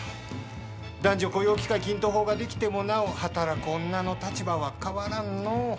男女雇用機会均等法ができてもなお働く女の立場は変わらんのう。